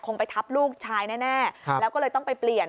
ไปทับลูกชายแน่แล้วก็เลยต้องไปเปลี่ยน